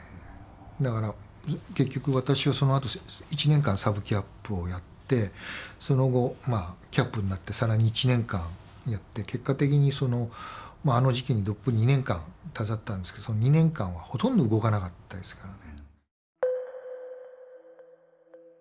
だから結局私はそのあと１年間サブキャップをやってその後キャップになって更に１年間やって結果的にあの事件にどっぷり２年間携わったんですけどその２年間はほとんど動かなかったですからね。